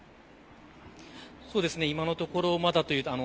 今のところまだというところ。